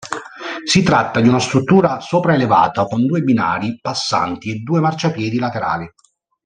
Si tratta di una struttura sopraelevata, con due binari passanti e due marciapiedi laterali.